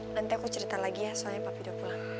nanti aku cerita lagi ya soalnya papi udah pulang